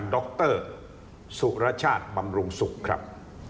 โดคเตอร์สุรชาติบำรุงสุขครับ